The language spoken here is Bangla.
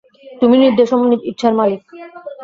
তুমিই নির্দেশ ও ইচ্ছার মালিক।